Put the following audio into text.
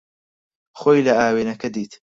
خۆی لە ئاوێنەکە دیت.